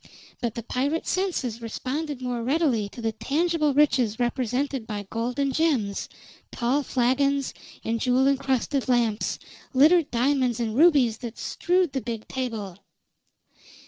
But the pirate's senses responded more readily to the tangible riches represented by gold and gems, tall flagons, and jewel incrusted lamps, littered diamonds and rubies that strewed the big table.